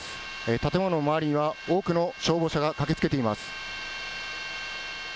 建物の周りには多くの消防車が駆けつけています。